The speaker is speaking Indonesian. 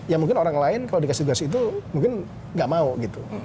ya mungkin orang lain kalau dikasih tugas itu mungkin nggak mau gitu